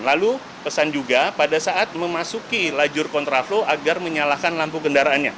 lalu pesan juga pada saat memasuki lajur kontraflow agar menyalahkan lampu kendaraannya